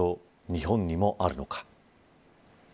日本にもあるのか。